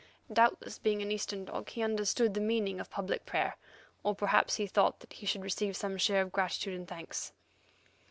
Doubtless, being an Eastern dog, he understood the meaning of public prayer; or perhaps he thought that he should receive some share of gratitude and thanks.